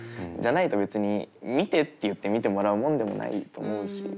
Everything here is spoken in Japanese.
じゃないと別に見てって言って見てもらうもんでもないと思うし。